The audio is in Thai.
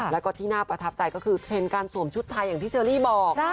แล้วก็ที่น่าประทับใจก็คือเทรนด์การสวมชุดไทยอย่างที่เชอรี่บอก